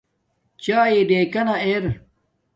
چاݵے ڑکنانا ار